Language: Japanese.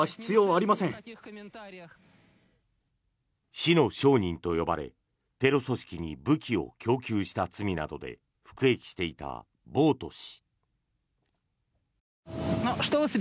死の商人と呼ばれ、テロ組織に武器を供給した罪などで服役していたボウト氏。